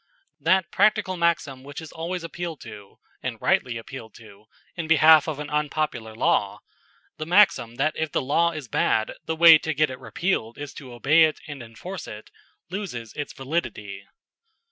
That practical maxim which is always appealed to, and rightly appealed to, in behalf of an unpopular law the maxim that if the law is bad the way to get it repealed is to obey it and enforce it loses its validity.